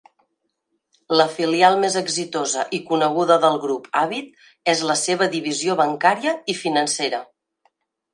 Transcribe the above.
La filial més exitosa i coneguda del grup Habib és la seva divisió bancària i financera.